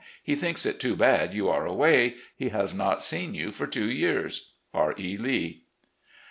He thinks it too bad you are away. He has not seen you for two years. "R. E. Lee."